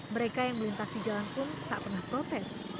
mereka yang melintasi jalan pun tak pernah protes